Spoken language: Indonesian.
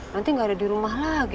nanti nggak ada di rumah lagi